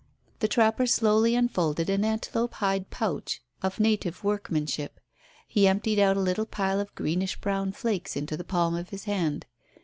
The trapper slowly unfolded an antelope hide pouch of native workmanship. He emptied out a little pile of greenish brown flakes into the palm of his hand.